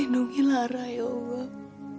lindungi lara ya allah